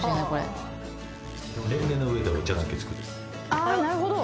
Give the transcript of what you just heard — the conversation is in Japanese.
あなるほど！